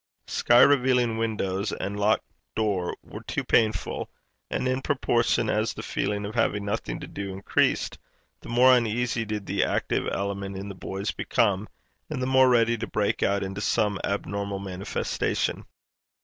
Sky revealing windows and locked door were too painful; and in proportion as the feeling of having nothing to do increased, the more uneasy did the active element in the boys become, and the more ready to break out into some abnormal manifestation.